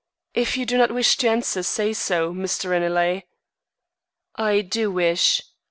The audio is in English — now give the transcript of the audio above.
If you do not wish to answer, say so, Mr. Ranelagh." "I do wish."